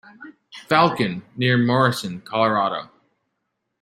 Falcon, near Morrison, Colorado.